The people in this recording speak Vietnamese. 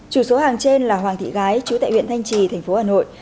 chủ số hàng trên là hoàng thị gái chú tại huyện thanh trì tp hà nội